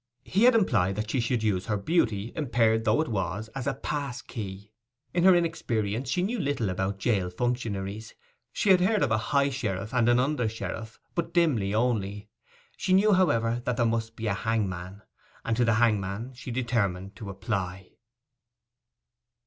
He had implied that she should use her beauty, impaired though it was, as a pass key. In her inexperience she knew little about jail functionaries; she had heard of a high sheriff and an under sheriff; but dimly only. She knew, however, that there must be a hangman, and to the hangman she determined to apply.